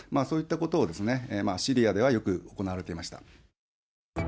そういったことを、シリアではよく行われていました。